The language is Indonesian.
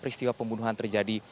peristiwa pembunuhan terjadi